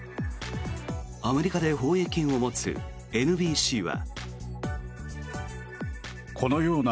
アメリカで放映権を持つＮＢＣは。